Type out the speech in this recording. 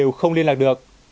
bà chín không liên lạc được